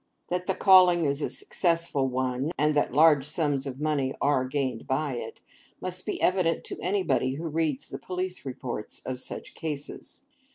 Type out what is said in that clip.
That the calling is a successful one, and that large sums of money are gained by it, must be evident to anybody who reads the Police Reports of such cases.